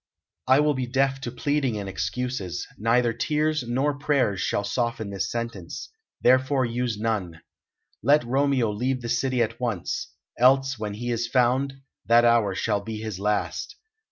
I will be deaf to pleading and excuses; neither tears nor prayers shall soften this sentence, therefore use none. Let Romeo leave the city at once; else, when he is found, that hour shall be his last.